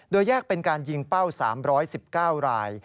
โดยแยกเป็นการยิงเป้า๓๑๙ราย